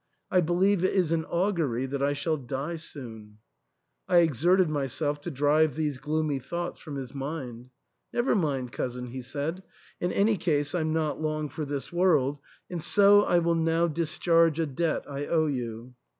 I believe it is an augury that I shall die soon." I exerted myself to drive these gloomy thoughts from his mind. " Never mind, cousin," he said, " in any case Fm not long for this world ; and so I will now discharge a debt I owe you.